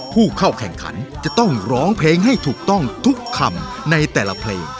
ผู้เข้าแข่งขันจะต้องร้องเพลงให้ถูกต้องทุกคำในแต่ละเพลง